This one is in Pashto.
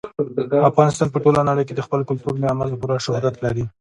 افغانستان په ټوله نړۍ کې د خپل کلتور له امله پوره شهرت لري.